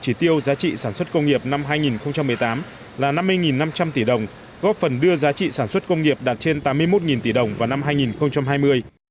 chỉ tiêu giá trị sản xuất công nghiệp năm hai nghìn một mươi tám là năm mươi năm trăm linh tỷ đồng góp phần đưa giá trị sản xuất công nghiệp đạt trên tám mươi một tỷ đồng vào năm hai nghìn hai mươi